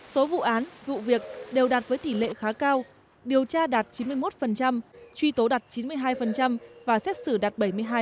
số vụ án vụ việc đều đạt với tỷ lệ khá cao điều tra đạt chín mươi một truy tố đạt chín mươi hai và xét xử đạt bảy mươi hai